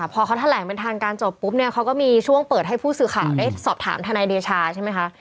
พอเขาแถลงเป็นทางการจบปุ๊บเนี่ยเขาก็มีช่วงเปิดให้ผู้สื่อข่าวได้สอบถามทนายเดชาใช่ไหมคะ